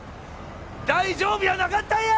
大丈夫やなかったんや！